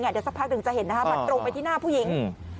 เดี๋ยวสักพักหนึ่งจะเห็นบัตรตรงไปที่หน้าผู้หญิง